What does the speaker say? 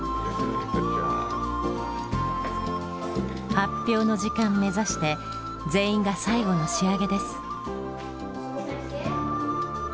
発表の時間目指して全員が最後の仕上げです。